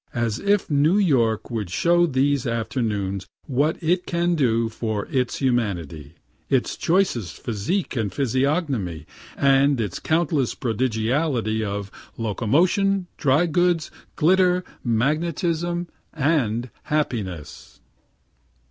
As if New York would show these afternoons what it can do in its humanity, its choicest physique and physiognomy, and its countless prodigality of locomotion, dry goods, glitter, magnetism, and happiness.